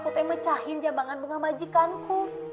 aku pengen mecahin jambangan bunga majikanku